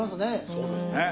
そうですね。